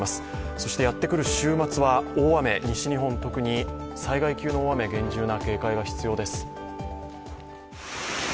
そしてやってくる週末は大雨、西日本、特に災害級の大雨、厳重な警戒が必要です。